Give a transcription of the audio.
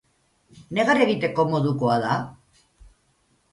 Negar egiteko modukoa da?